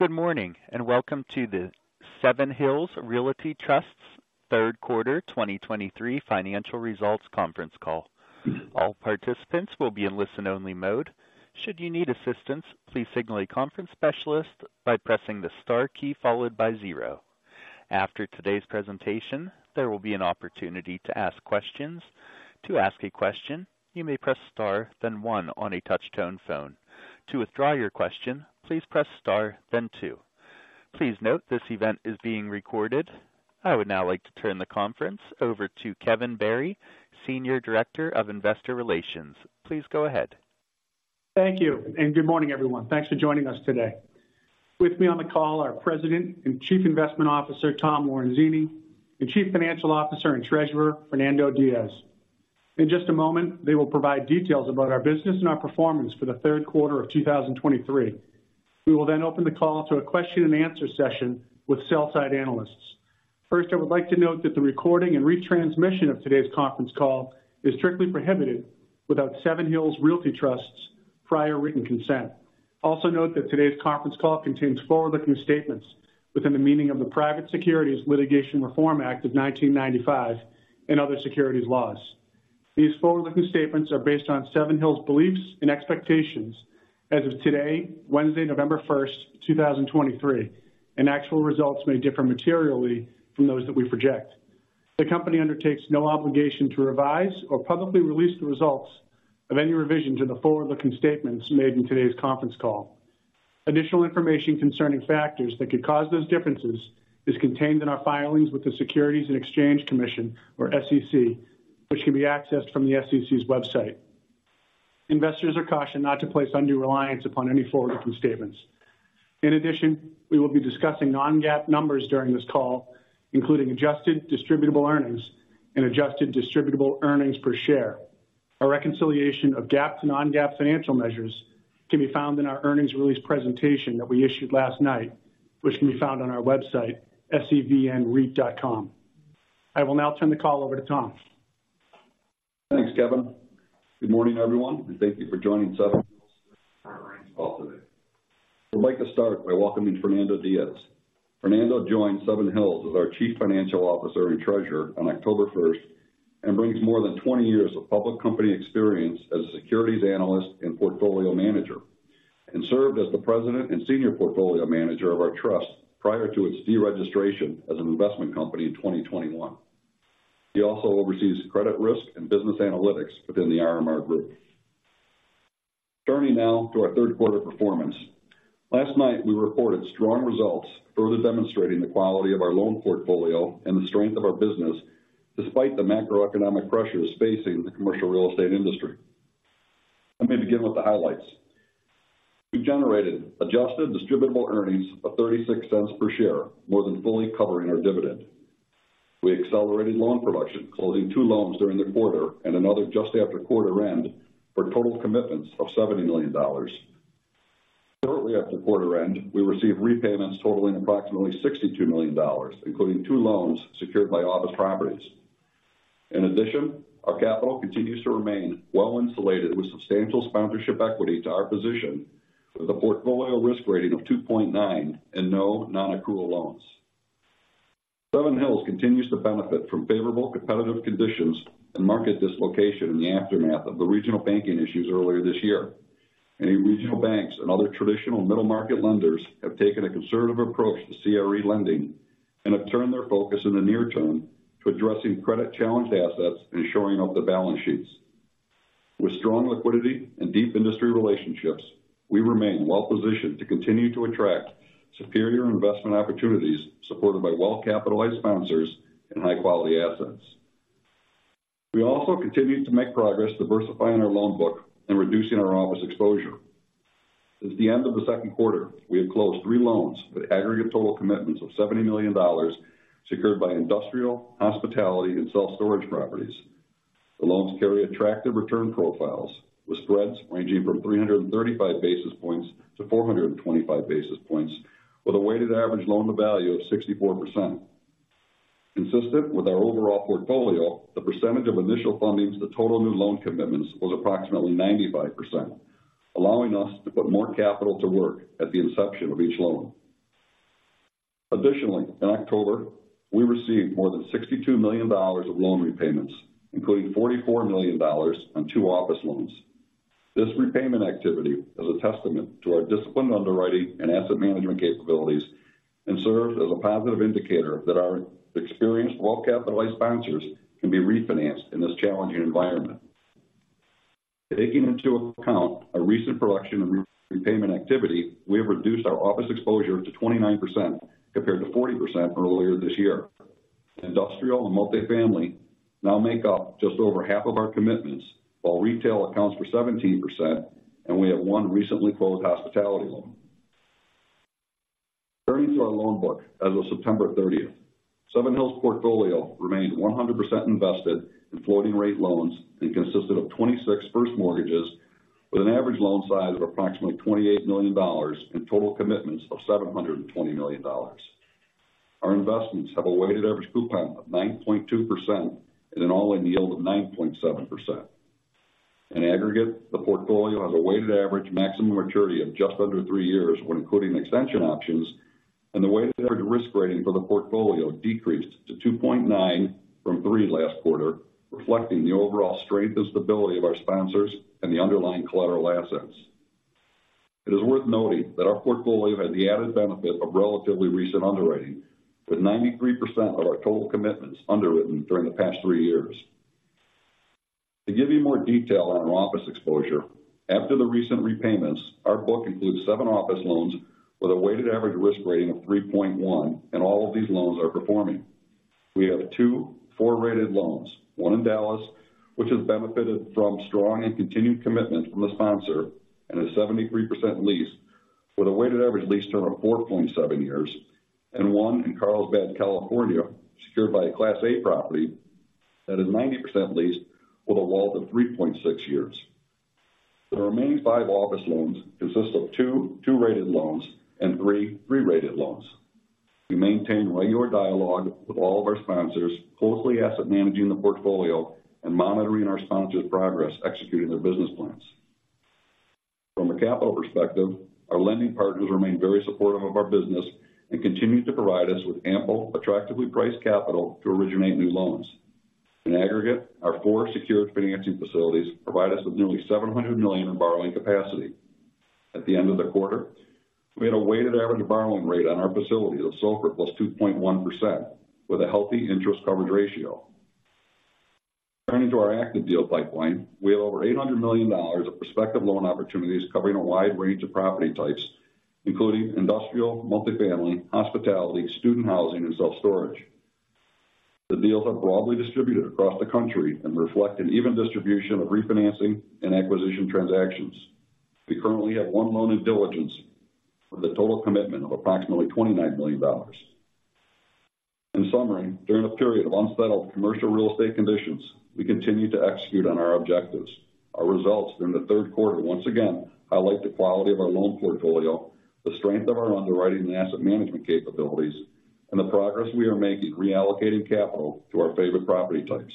Good morning, and welcome to the Seven Hills Realty Trust's Q3 2023 financial results conference call. All participants will be in listen-only mode. Should you need assistance, please signal a conference specialist by pressing the Star key followed by zero. After today's presentation, there will be an opportunity to ask questions. To ask a question, you may press Star, then one on a touch-tone phone. To withdraw your question, please press Star, then two. Please note, this event is being recorded. I would now like to turn the conference over to Kevin Barry, Senior Director of Investor Relations. Please go ahead. Thank you, and good morning, everyone. Thanks for joining us today. With me on the call are President and Chief Investment Officer, Tom Lorenzini, and Chief Financial Officer and Treasurer, Fernando Diaz. In just a moment, they will provide details about our business and our performance for the third quarter of 2023. We will then open the call to a question and answer session with sell-side analysts. First, I would like to note that the recording and retransmission of today's conference call is strictly prohibited without Seven Hills Realty Trust's prior written consent. Also, note that today's conference call contains forward-looking statements within the meaning of the Private Securities Litigation Reform Act of 1995 and other securities laws. These forward-looking statements are based on Seven Hills' beliefs and expectations as of today, Wednesday, November first, two thousand and twenty-three, and actual results may differ materially from those that we project. The company undertakes no obligation to revise or publicly release the results of any revisions in the forward-looking statements made in today's conference call. Additional information concerning factors that could cause those differences is contained in our filings with the Securities and Exchange Commission, or SEC, which can be accessed from the SEC's website. Investors are cautioned not to place undue reliance upon any forward-looking statements. In addition, we will be discussing non-GAAP numbers during this call, including adjusted distributable earnings and adjusted distributable earnings per share. A reconciliation of GAAP to non-GAAP financial measures can be found in our earnings release presentation that we issued last night, which can be found on our website, sevnreit.com. I will now turn the call over to Tom. Thanks, Kevin. Good morning, everyone, and thank you for joining Seven Hills Realty Trust call today. I'd like to start by welcoming Fernando Diaz. Fernando joined Seven Hills as our Chief Financial Officer and Treasurer on October 1, and brings more than 20 years of public company experience as a securities analyst and portfolio manager, and served as the President and Senior Portfolio Manager of our trust prior to its de-registration as an investment company in 2021. He also oversees credit risk and business analytics within the RMR Group. Turning now to our third quarter performance. Last night, we reported strong results, further demonstrating the quality of our loan portfolio and the strength of our business, despite the macroeconomic pressures facing the commercial real estate industry. Let me begin with the highlights. We generated adjusted distributable earnings of $0.36 per share, more than fully covering our dividend. We accelerated loan production, closing two loans during the quarter and another just after quarter end, for total commitments of $70 million. Shortly after quarter end, we received repayments totaling approximately $62 million, including two loans secured by office properties. In addition, our capital continues to remain well insulated, with substantial sponsorship equity to our position, with a portfolio risk rating of 2.9 and no non-accrual loans. Seven Hills continues to benefit from favorable competitive conditions and market dislocation in the aftermath of the regional banking issues earlier this year. Many regional banks and other traditional middle-market lenders have taken a conservative approach to CRE lending and have turned their focus in the near term to addressing credit-challenged assets and shoring up their balance sheets. With strong liquidity and deep industry relationships, we remain well positioned to continue to attract superior investment opportunities, supported by well-capitalized sponsors and high-quality assets. We also continued to make progress diversifying our loan book and reducing our office exposure. Since the end of the second quarter, we have closed three loans with aggregate total commitments of $70 million, secured by industrial, hospitality, and self-storage properties. The loans carry attractive return profiles, with spreads ranging from 335 basis points to 425 basis points, with a weighted average loan-to-value of 64%. Consistent with our overall portfolio, the percentage of initial fundings to total new loan commitments was approximately 95%, allowing us to put more capital to work at the inception of each loan. Additionally, in October, we received more than $62 million of loan repayments, including $44 million on 2 office loans. This repayment activity is a testament to our disciplined underwriting and asset management capabilities and serves as a positive indicator that our experienced, well-capitalized sponsors can be refinanced in this challenging environment. Taking into account our recent production and repayment activity, we have reduced our office exposure to 29%, compared to 40% earlier this year. Industrial and multifamily now make up just over half of our commitments, while retail accounts for 17%, and we have 1 recently closed hospitality loan. Turning to our loan book as of September 30, Seven Hills' portfolio remained 100% invested in floating rate loans and consisted of 26 first mortgages, with an average loan size of approximately $28 million and total commitments of $720 million. Our investments have a weighted average coupon of 9.2% and an all-in yield of 9.7%. In aggregate, the portfolio has a weighted average maximum maturity of just under 3 years when including extension options, and the weighted average risk rating for the portfolio decreased to 2.9 from 3 last quarter, reflecting the overall strength and stability of our sponsors and the underlying collateral assets. It is worth noting that our portfolio had the added benefit of relatively recent underwriting, with 93% of our total commitments underwritten during the past 3 years. To give you more detail on our office exposure, after the recent repayments, our book includes 7 office loans with a weighted average risk rating of 3.1, and all of these loans are performing. We have two 4-rated loans, one in Dallas, which has benefited from strong and continued commitment from the sponsor and a 73% lease with a weighted average lease term of 4.7 years, and one in Carlsbad, California, secured by a Class A property that is 90% leased with a WALT of 3.6 years. The remaining 5 office loans consist of two 2-rated loans and three 3-rated loans. We maintain regular dialogue with all of our sponsors, closely asset managing the portfolio and monitoring our sponsors' progress, executing their business plans. From a capital perspective, our lending partners remain very supportive of our business and continue to provide us with ample, attractively priced capital to originate new loans. In aggregate, our 4 secured financing facilities provide us with nearly $700 million in borrowing capacity. At the end of the quarter, we had a weighted average borrowing rate on our facility of SOFR + 2.1%, with a healthy interest coverage ratio. Turning to our active deal pipeline, we have over $800 million of prospective loan opportunities covering a wide range of property types, including industrial, multifamily, hospitality, student housing, and self-storage. The deals are broadly distributed across the country and reflect an even distribution of refinancing and acquisition transactions. We currently have 1 loan in diligence with a total commitment of approximately $29 million. In summary, during a period of unsettled commercial real estate conditions, we continued to execute on our objectives. Our results during the third quarter once again highlight the quality of our loan portfolio, the strength of our underwriting and asset management capabilities, and the progress we are making reallocating capital to our favorite property types.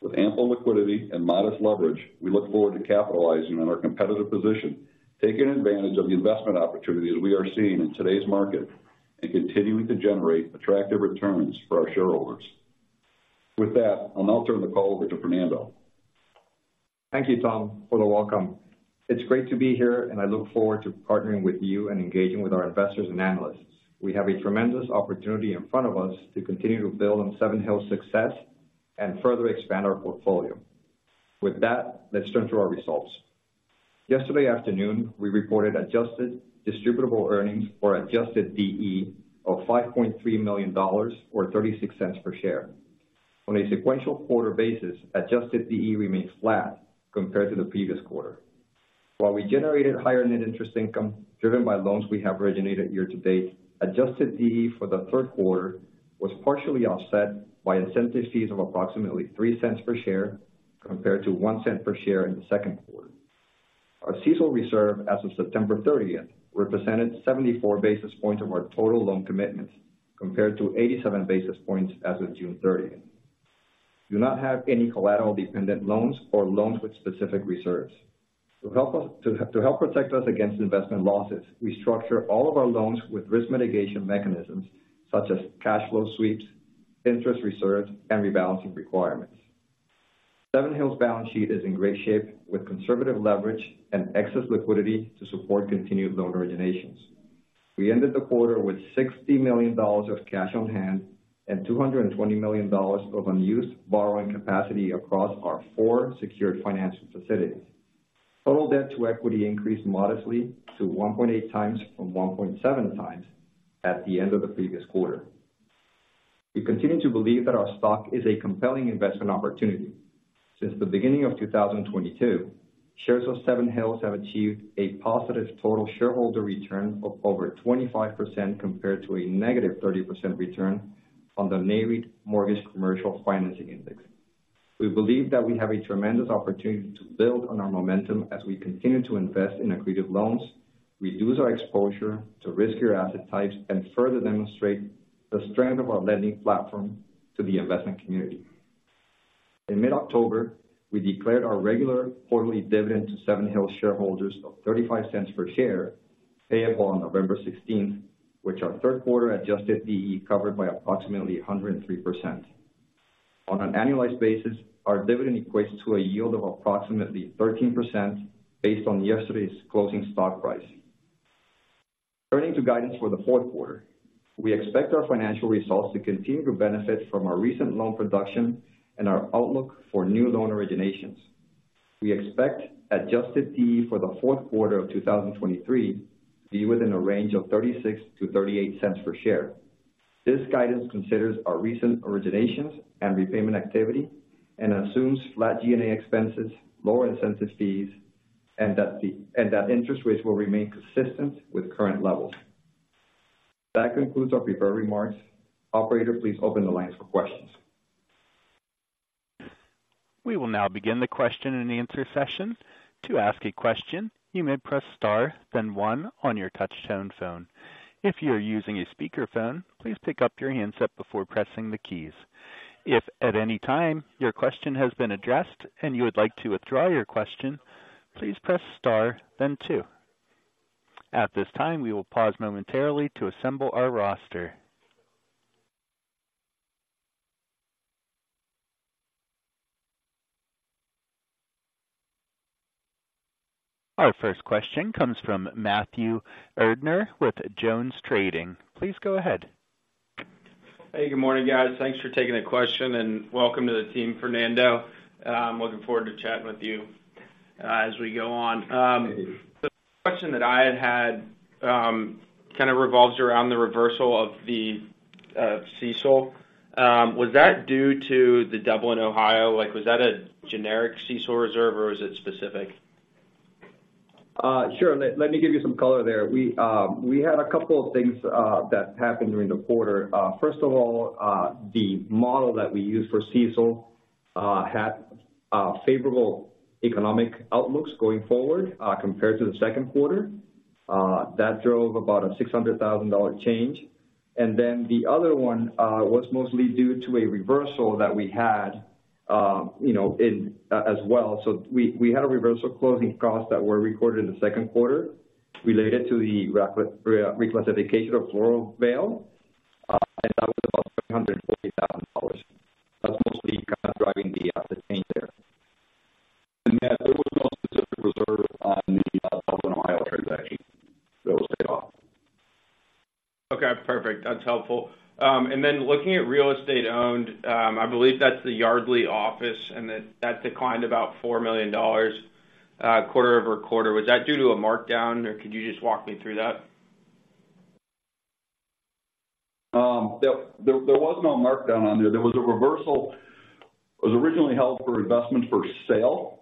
With ample liquidity and modest leverage, we look forward to capitalizing on our competitive position, taking advantage of the investment opportunities we are seeing in today's market, and continuing to generate attractive returns for our shareholders. With that, I'll now turn the call over to Fernando. Thank you, Tom, for the welcome. It's great to be here, and I look forward to partnering with you and engaging with our investors and analysts. We have a tremendous opportunity in front of us to continue to build on Seven Hills' success and further expand our portfolio. With that, let's turn to our results. Yesterday afternoon, we reported adjusted distributable earnings, or adjusted DE, of $5.3 million, or $0.36 per share. On a sequential quarter basis, adjusted DE remains flat compared to the previous quarter. While we generated higher net interest income driven by loans we have originated year to date, adjusted DE for the third quarter was partially offset by incentive fees of approximately $0.03 per share compared to $0.01 per share in the second quarter. Our CECL reserve as of September 30th represented 74 basis points of our total loan commitments, compared to 87 basis points as of June 30th. We do not have any collateral-dependent loans or loans with specific reserves. To help protect us against investment losses, we structure all of our loans with risk mitigation mechanisms such as cash flow sweeps, interest reserves, and rebalancing requirements. Seven Hills' balance sheet is in great shape, with conservative leverage and excess liquidity to support continued loan originations. We ended the quarter with $60 million of cash on hand and $220 million of unused borrowing capacity across our four secured financial facilities. Total debt to equity increased modestly to 1.8 times from 1.7 times at the end of the previous quarter. We continue to believe that our stock is a compelling investment opportunity. Since the beginning of 2022, shares of Seven Hills have achieved a positive total shareholder return of over 25%, compared to a negative 30% return on the NAREIT Mortgage Commercial Financing Index. We believe that we have a tremendous opportunity to build on our momentum as we continue to invest in accretive loans, reduce our exposure to riskier asset types, and further demonstrate the strength of our lending platform to the investment community. In mid-October, we declared our regular quarterly dividend to Seven Hills shareholders of $0.35 per share, payable on November 16, which our third quarter adjusted DE covered by approximately 103%. On an annualized basis, our dividend equates to a yield of approximately 13% based on yesterday's closing stock price. Turning to guidance for the fourth quarter. We expect our financial results to continue to benefit from our recent loan production and our outlook for new loan originations. We expect Adjusted DE for the fourth quarter of 2023 to be within a range of $0.36-$0.38 per share. This guidance considers our recent originations and repayment activity and assumes flat G&A expenses, lower incentive fees, and that interest rates will remain consistent with current levels. That concludes our prepared remarks. Operator, please open the lines for questions. We will now begin the question-and-answer session. To ask a question, you may press star, then one on your touchtone phone. If you are using a speakerphone, please pick up your handset before pressing the keys. If at any time your question has been addressed and you would like to withdraw your question, please press star then two. At this time, we will pause momentarily to assemble our roster. Our first question comes from Matthew Erdner with JonesTrading. Please go ahead. Hey, good morning, guys. Thanks for taking the question, and welcome to the team, Fernando. Looking forward to chatting with you, as we go on. The question that I had had, kind of revolves around the reversal of the, CECL. Was that due to the Dublin, Ohio? Like, was that a generic CECL reserve or is it specific? Sure. Let me give you some color there. We had a couple of things that happened during the quarter. First of all, the model that we used for CECL had favorable economic outlooks going forward compared to the second quarter. That drove about a $600,000 change. And then the other one was mostly due to a reversal that we had, you know, as well. So we had a reversal closing costs that were recorded in the second quarter related to the reclassification of Floral Vale, and that was about $340,000. That's mostly kind of driving the change there. And then there was no specific reserve on the Dublin, Ohio, transaction, so it was paid off. Okay, perfect. That's helpful. And then looking at real estate owned, I believe that's the Yardley office, and that declined about $4 million quarter-over-quarter. Was that due to a markdown, or could you just walk me through that? There was no markdown on there. There was a reversal. It was originally held for investment for sale,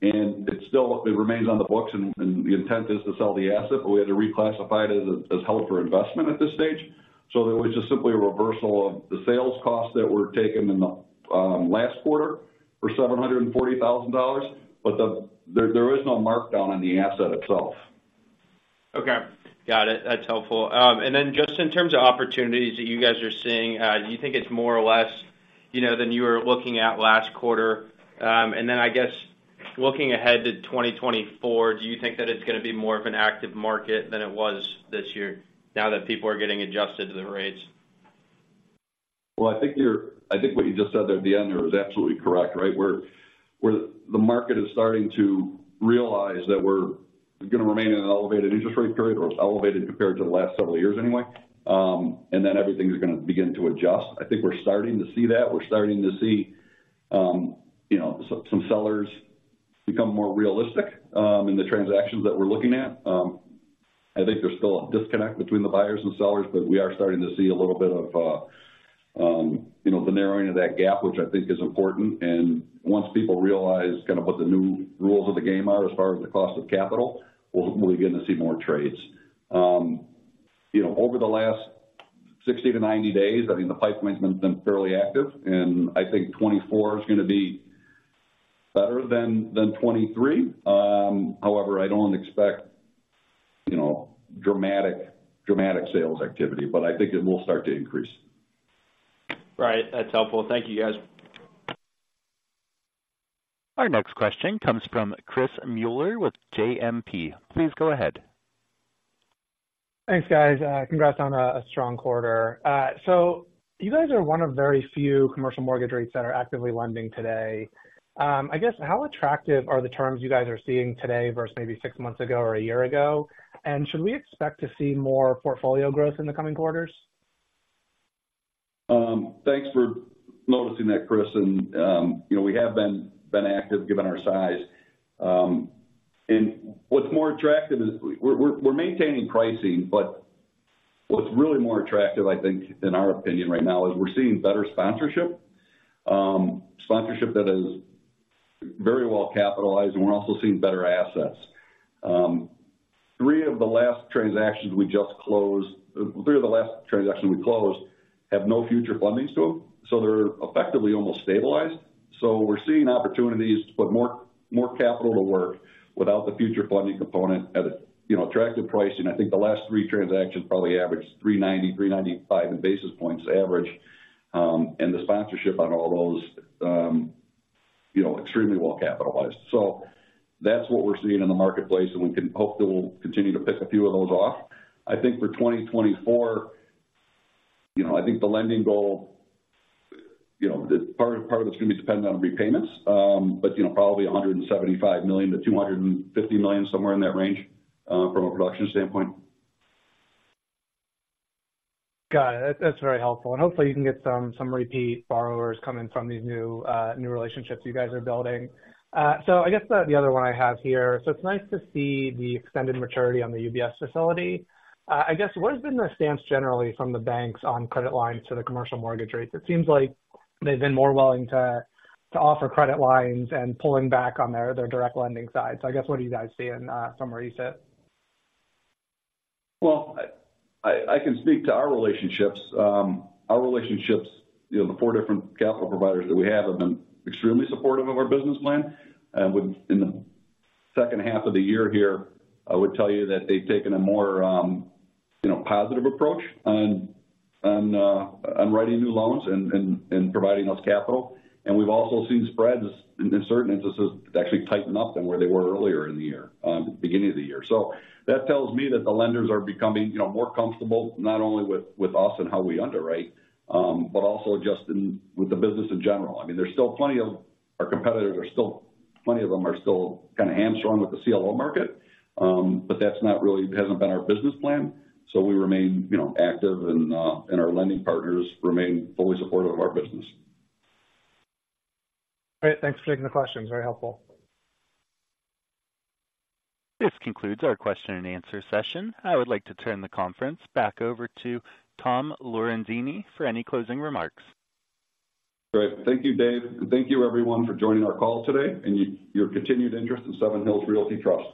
and it still—it remains on the books, and the intent is to sell the asset, but we had to reclassify it as held for investment at this stage. So it was just simply a reversal of the sales costs that were taken in the last quarter for $740,000, but there is no markdown on the asset itself. Okay. Got it. That's helpful. And then just in terms of opportunities that you guys are seeing, do you think it's more or less, you know, than you were looking at last quarter? And then I guess, looking ahead to 2024, do you think that it's gonna be more of an active market than it was this year, now that people are getting adjusted to the rates? Well, I think what you just said there at the end there is absolutely correct, right? Where the market is starting to realize that we're gonna remain in an elevated interest rate period, or it's elevated compared to the last several years anyway, and then everything is gonna begin to adjust. I think we're starting to see that. We're starting to see, you know, some sellers become more realistic in the transactions that we're looking at. I think there's still a disconnect between the buyers and sellers, but we are starting to see a little bit of, you know, the narrowing of that gap, which I think is important. And once people realize kind of what the new rules of the game are as far as the cost of capital, we'll begin to see more trades. You know, over the last 60-90 days, I mean, the pipeline management's been fairly active, and I think 2024 is gonna be better than 2023. However, I don't expect, you know, dramatic sales activity, but I think it will start to increase. Right. That's helpful. Thank you, guys. Our next question comes from Chris Muller with JMP. Please go ahead. Thanks, guys. Congrats on a strong quarter. So you guys are one of very few commercial mortgage REITs that are actively lending today. I guess, how attractive are the terms you guys are seeing today versus maybe six months ago or a year ago? And should we expect to see more portfolio growth in the coming quarters? Thanks for noticing that, Chris. And, you know, we have been active, given our size. And what's more attractive is we're maintaining pricing, but what's really more attractive, I think, in our opinion right now, is we're seeing better sponsorship. Sponsorship that is very well capitalized, and we're also seeing better assets. Three of the last transactions we just closed, three of the last transactions we closed have no future fundings to them, so they're effectively almost stabilized. So we're seeing opportunities to put more capital to work without the future funding component at a, you know, attractive pricing. I think the last three transactions probably averaged 390, 395 in basis points average. And the sponsorship on all those, you know, extremely well capitalized. So that's what we're seeing in the marketplace, and we can hope that we'll continue to pick a few of those off. I think for 2024, you know, I think the lending goal, you know, part of it's gonna be dependent on repayments, but, you know, probably $175 million-$250 million, somewhere in that range, from a production standpoint. Got it. That's very helpful, and hopefully you can get some repeat borrowers coming from these new relationships you guys are building. So I guess the other one I have here, it's nice to see the extended maturity on the UBS facility. I guess what has been the stance generally from the banks on credit lines to the commercial mortgage REITs? It seems like they've been more willing to offer credit lines and pulling back on their direct lending side. So I guess what are you guys seeing from where you sit? Well, I can speak to our relationships. Our relationships, you know, the four different capital providers that we have, have been extremely supportive of our business plan. Within the second half of the year here, I would tell you that they've taken a more, you know, positive approach on writing new loans and providing us capital. And we've also seen spreads in certain instances actually tighten up than where they were earlier in the year, beginning of the year. So that tells me that the lenders are becoming, you know, more comfortable, not only with us and how we underwrite, but also just in with the business in general. I mean, there's still plenty of our competitors are still, plenty of them are still kind of hamstrung with the CLO market, but that's not really, hasn't been our business plan, so we remain, you know, active and our lending partners remain fully supportive of our business. Great. Thanks for taking the question. Very helpful. This concludes our question and answer session. I would like to turn the conference back over to Tom Lorenzini for any closing remarks. Great. Thank you, Dave, and thank you everyone for joining our call today and your continued interest in Seven Hills Realty Trust.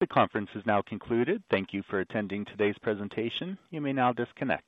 The conference is now concluded. Thank you for attending today's presentation. You may now disconnect.